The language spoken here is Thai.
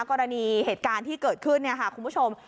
กรณีเหตุการณ์ที่เกิดขึ้นคุณผู้ชม